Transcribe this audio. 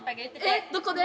えどこで？